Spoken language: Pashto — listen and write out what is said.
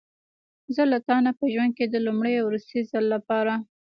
زه له تا نه په ژوند کې د لومړي او وروستي ځل لپاره.